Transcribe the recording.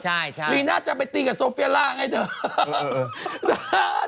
แล้วก็เธอรีน่าจับไปตีกับโซเฟียล่าไงเถอะ